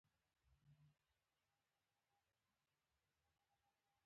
کلتور د افغانستان د صادراتو برخه ده.